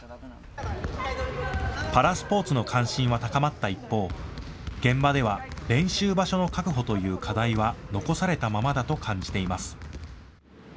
パラスポーツの関心は高まった一方、現場では練習場所の確保という課題は残されたままだと感じています。